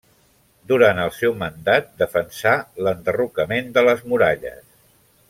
Durant el seu mandat defensà l'enderrocament de les muralles.